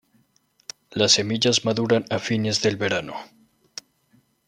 Las semillas maduran a fines del verano.